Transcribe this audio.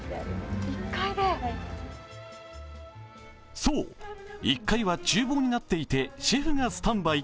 そう、１階はちゅう房になっていて、シェフがスタンバイ。